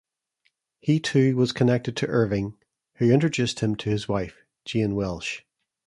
He too was connected to Irving, who introduced him to his wife, Jane Welsh.